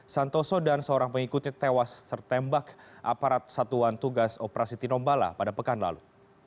santoso dan seorang pengikutnya tewas tertembak aparat satuan tugas operasi tinombala pada pekan lalu